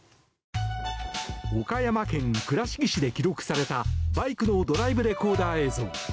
岡山県倉敷市で記録されたバイクのドライブレコーダー映像。